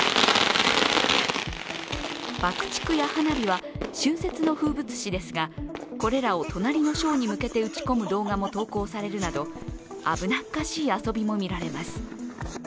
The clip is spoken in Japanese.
爆竹や花火は春節の風物詩ですが、これらを隣の省に向けて打ち込む動画も投稿されるなど危なっかしい遊びもみられます。